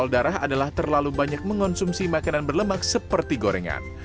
darah adalah terlalu banyak mengonsumsi makanan berlemak seperti gorengan